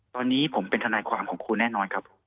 ตอนนี้ผมเป็นทนายความของครูแน่นอนครับ